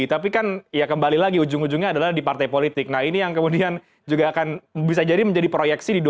tapi kan ya kembali lagi ujung ujungnya adalah di partai politik nah ini yang kemudian juga akan bisa jadi menjadi proyeksi di dua ribu dua puluh